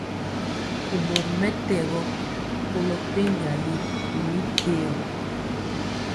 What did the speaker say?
Kumɔ ri mɛtɛgɔ kolo penja y mi téo.